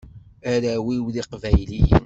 Arraw-iw d iqbayliyen.